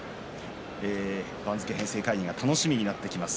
番付編成会議が楽しみになってきます。